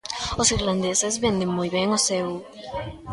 Os irlandeses venden moi ben o seu.